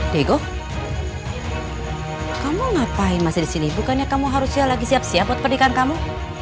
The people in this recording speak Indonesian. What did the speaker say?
dego kamu ngapain masih disini bukannya kamu harus siap siap buat pernikahan kamu